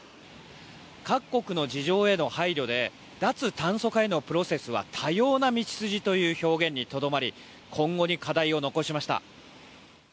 各国の事情への配慮で脱炭素化へのプロセスは多様な道筋という表現にとどまり今後に課題を残しました。